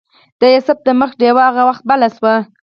د یوسف د مخ ډیوه هغه وخت بله شوه.